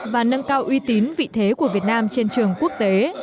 và nâng cao uy tín vị thế của việt nam trên trường quốc tế